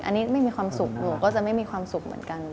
อันนี้ไม่มีความสุขหนูก็จะไม่มีความสุขเหมือนกัน